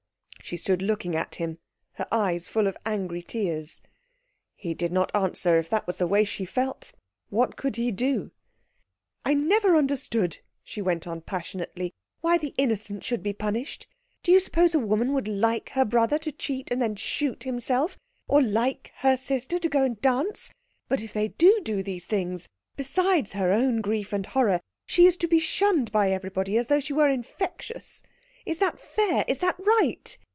She stood looking at him, her eyes full of angry tears. He did not answer. If that was the way she felt, what could he do? "I never understood," she went on passionately, "why the innocent should be punished. Do you suppose a woman would like her brother to cheat and then shoot himself? Or like her sister to go and dance? But if they do do these things, besides her own grief and horror, she is to be shunned by everybody as though she were infectious. Is that fair? Is that right?